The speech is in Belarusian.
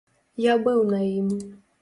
Я быў на ім.